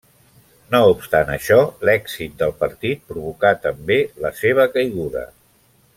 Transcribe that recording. No obstant això, l'èxit del partit provocà també la seva caiguda.